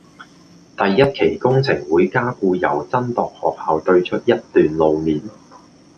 第一期工程會加固由真鐸學校對出一段路面